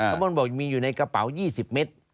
มนต์บอกมีอยู่ในกระเป๋า๒๐เมตร